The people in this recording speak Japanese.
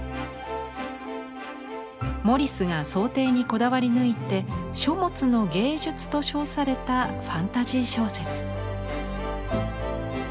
モリスが装丁にこだわりぬいて「書物の芸術」と称されたファンタジー小説。